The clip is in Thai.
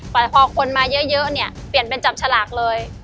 แต่พอคนมาเยอะเนี่ยเปลี่ยนเป็นจับฉลากเลย